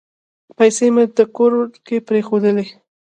پیسې مي په کور کې پرېښولې .